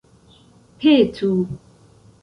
petu